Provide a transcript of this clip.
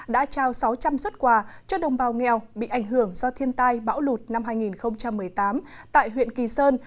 đã trao sáu trăm linh xuất quà cho đồng bào nghèo bị ảnh hưởng do thiên tai bão lụt năm hai nghìn một mươi tám tại huyện kỳ sơn